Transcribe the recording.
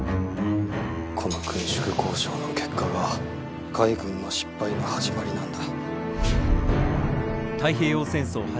この軍縮交渉の結果が海軍の失敗の始まりなんだ。